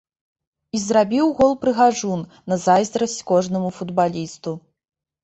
І зрабіў гол-прыгажун, на зайздрасць кожнаму футбалісту.